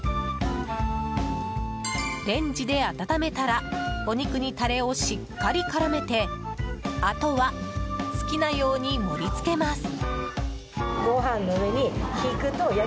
レンジで温めたらお肉にタレをしっかり絡めてあとは、好きなように盛り付けます。